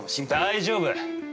◆大丈夫。